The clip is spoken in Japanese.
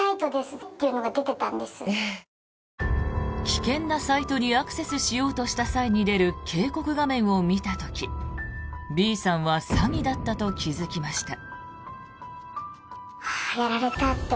危険なサイトにアクセスしようとした際に出る警告画面を見た時Ｂさんは詐欺だったと気付きました。